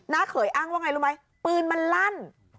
เขยอ้างว่าไงรู้ไหมปืนมันลั่น